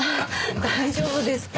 大丈夫ですか？